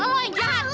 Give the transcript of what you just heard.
eh lo yang jahat